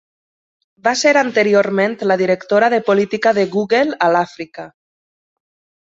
Va ser anteriorment la Directora de Política de Google a l'Àfrica.